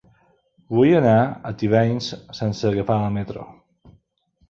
Vull anar a Tivenys sense agafar el metro.